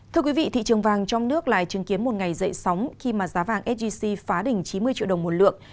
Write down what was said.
thị trường vàng trong nước lại chứng kiến một ngày dậy sóng khi giá vàng sgc phá đỉnh chín mươi triệu đồng một lượng